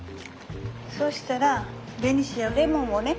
そしたらベニシアレモンをね